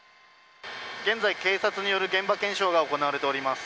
現在、警察による現場検証が行われております。